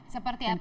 seperti apa ibu